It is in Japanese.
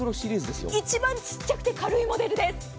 一番小さくて軽いモデルです。